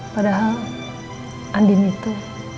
padahal andin itu